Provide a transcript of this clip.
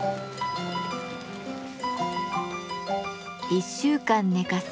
１週間寝かせ